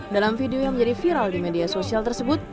dalam video yang menjadi viral di media sosial tersebut